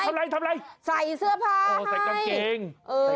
ทำไงทำไอใส่เสื้อผ้าให้เออใส่กำเกงเออ